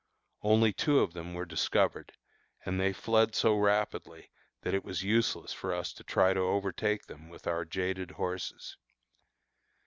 Only two of them were discovered, and they fled so rapidly that it was useless for us to try to overtake them with our jaded horses.